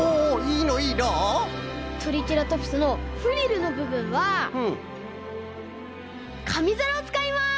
トリケラトプスのフリルのぶぶんはかみざらをつかいます！